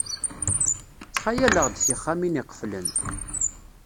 Ttxayaleɣ-d tixxamin iqeflen.